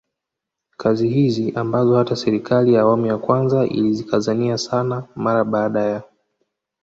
Kazi hizi ambazo hata serikali ya awamu ya kwanza ilizikazania sana mara baada ya